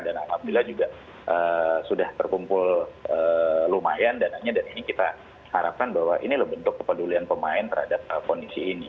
dan alhamdulillah juga sudah terkumpul lumayan dan hanya dari ini kita harapkan bahwa ini adalah bentuk kepedulian pemain terhadap kondisi ini